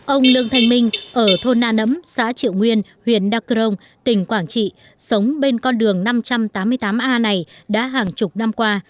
ông lương thanh minh ở thôn na nấm xã triệu nguyên huyện đắk cơ rông tỉnh quảng trị sống bên con đường năm trăm tám mươi tám a này đã hàng chục năm qua